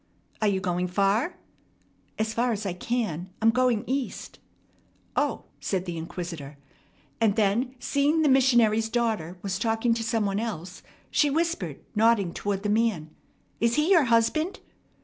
"Are you going far?" "As far as I can. I'm going East." "O," said the inquisitor; and then, seeing the missionary's daughter was talking to some one else, she whispered, nodding toward the man, "Is he your husband?"